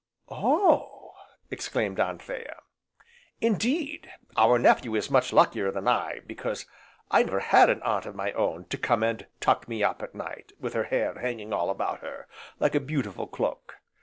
"Oh!" exclaimed Anthea. "Indeed, our nephew is much luckier than I, because I never had an aunt of my own to come and 'tuck me up' at night with her hair hanging all about her like a beautiful cloak.